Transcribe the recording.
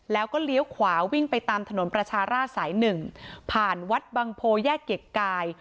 แล้วก็เลี้ยวขวาวิ่งไปตามถนนประชาราชสายหนึ่งผ่านวัดบังโพแยกเกียรติกาย